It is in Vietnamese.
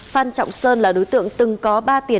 phan trọng sơn là đối tượng từng có ba tiền